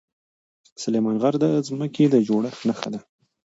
سلیمان غر د ځمکې د جوړښت نښه ده.